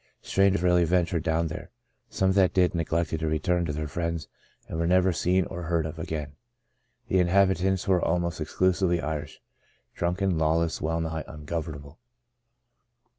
Strangers rarely ventured down there ; some that did neglected to re turn to their friends and were never seen or heard of again. The inhabitants were almost exclusively Irish — drunken, lawless, well nigh ungovernable.